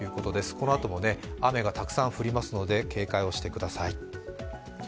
このあとも雨がたくさん降りますので警戒をしてください。